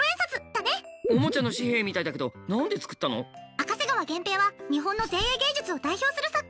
赤瀬川原平は日本の前衛芸術を代表する作家。